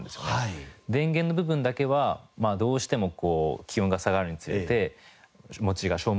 電源の部分だけはどうしても気温が下がるにつれて持ちが消耗。